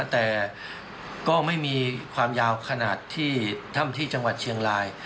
แต่ก็ไม่มีความยาวขนาดที่ถ้ำที่จังหวัดเชียงราย